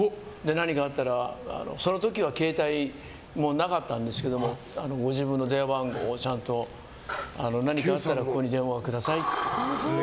何かあったらって、その時は携帯もなかったんですけどご自分の電話番号をちゃんと何かあったらここに電話をくださいって。